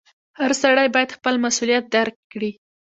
• هر سړی باید خپل مسؤلیت درک کړي.